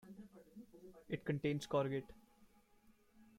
It contains courgette.